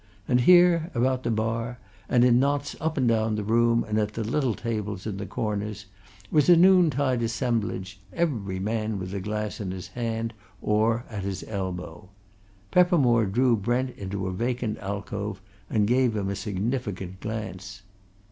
And here, about the bar, and in knots up and down the room and at the little tables in the corners, was a noontide assemblage, every man with a glass in his hand or at his elbow. Peppermore drew Brent into a vacant alcove and gave him a significant glance.